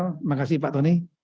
terima kasih pak tony